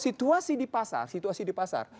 situasi di pasar situasi di pasar